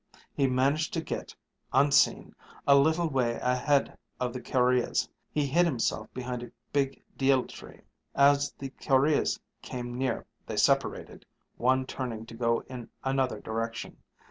He managed to get, unseen, a little way ahead of the kurreahs. He hid himself behind a big dheal tree. As the kurreahs came near they separated, one turning to go in another direction.